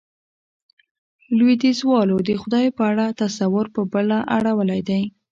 لوېديځوالو د خدای په اړه تصور، په بله اړولی دی.